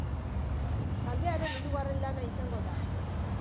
Taldearen hirugarren lana izango da.